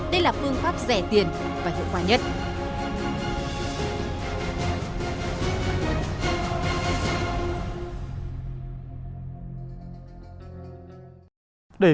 đây là phương pháp rẻ tiền và hiệu quả nhất